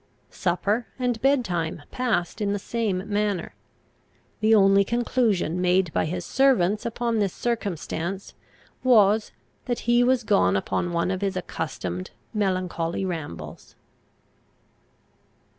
Supper and bed time passed in the same manner. The only conclusion made by his servants upon this circumstance was, that he was gone upon one of his accustomed melancholy rambles.